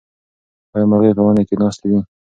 ایا مرغۍ په ونې کې ناستې دي؟